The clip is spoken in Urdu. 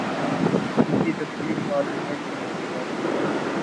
ان کی تقریر سات منٹ سے لمبی نہ تھی۔